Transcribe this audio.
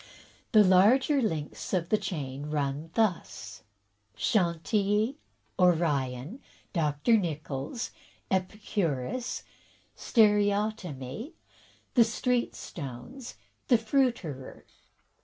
The larger links of the chain run thus — Chantilly, Orion, Dr. Nichols, Epicurus, Stereotomy, the street stones, the fruiterer."